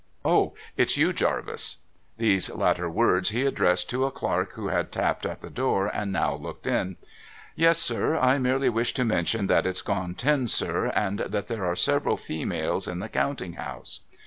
O ! It's you, Jarvis !' These latter words he addressed to a clerk who had tapped at the door, and now looked in. ' Yes, sir. I merely wished to mention that it's gone ten, sir, and that there are several females in the Counting house.'